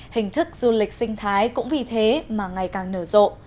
hình thức du lịch sinh thái cũng vì thế mà ngày càng nở rộ